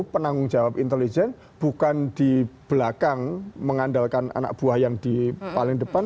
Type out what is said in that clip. penanggung jawab intelijen bukan di belakang mengandalkan anak buah yang di paling depan